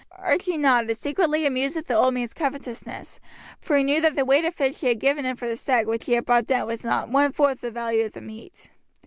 Archie nodded, secretly amused at the old man's covetousness, for he knew that the weight of fish he had given him for the stag which he had brought down was not one fourth the value of the meat.